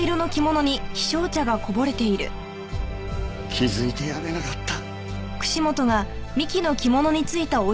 気づいてやれなかった。